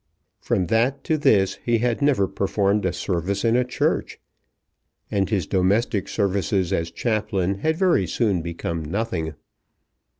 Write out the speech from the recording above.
From that to this he had never performed a service in a church, and his domestic services as chaplain had very soon become nothing.